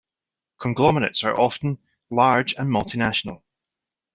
Conglomerates are often large and multinational.